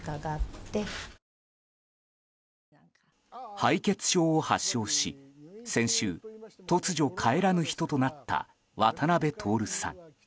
敗血症を発症し先週、突如帰らぬ人となった渡辺徹さん。